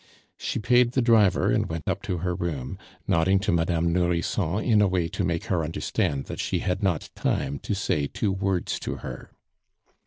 She paid the driver, and went up to her room, nodding to Madame Nourrisson in a way to make her understand that she had not time to say two words to her.